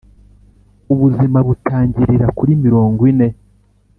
ubuzima butangirira kuri mirongo ine